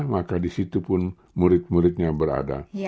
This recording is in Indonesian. maka di situ pun murid muridnya berada